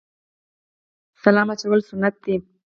سلام اچول سنت دي